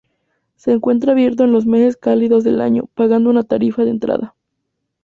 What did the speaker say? Se encuentra abierto en los meses cálidos del año, pagando una tarifa de entrada.